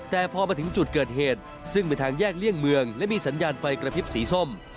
แต่พอมาถึงจุดเกิดเหตุซึ่งเป็นทางแยกเลี่ยงเมืองและมีสัญญาณไฟกระพริบสีส้ม